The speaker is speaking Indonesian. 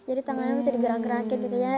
jadi tangannya bisa digerak gerakin gitu ya